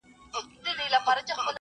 يو او بل ته په خبرو په كيسو سو